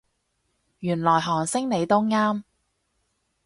原來韓星你都啱